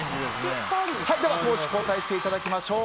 では、攻守交代していただきましょう。